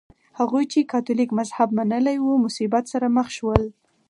هغوی چې کاتولیک مذهب منلی و مصیبت سره مخ شول.